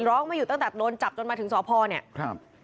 ร้องไม่อยู่ตั้งแต่โดนจับจนมาถึงสพเนี่ยครับ